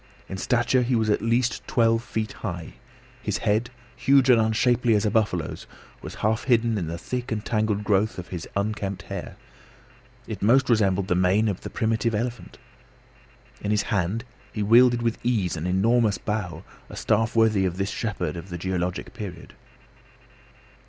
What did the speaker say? In stature he was at least twelve feet high. His head, huge and unshapely as a buffalo's, was half hidden in the thick and tangled growth of his unkempt hair. It most resembled the mane of the primitive elephant. In his hand he wielded with ease an enormous bough, a staff worthy of this shepherd of the geologic period.